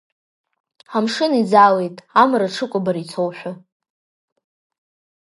Амшын инӡаалеит амра, ҽыкәабара ицоушәа…